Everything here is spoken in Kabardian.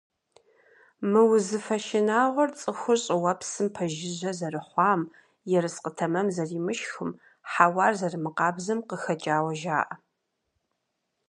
Мы узыфэ шынагъуэр цӀыхур щӀыуэпсым пэжыжьэ зэрыхъуам, ерыскъы тэмэм зэримышхым, хьэуар зэрымыкъабзэм къыхэкӀауэ жаӏэ.